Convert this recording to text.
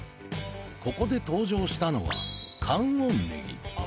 ここで登場したのは観音ねぎ